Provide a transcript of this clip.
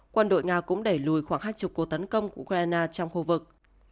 quân đội nga cũng đẩy lùi khoảng hai mươi cuộc tấn công của ukraine trong khu vực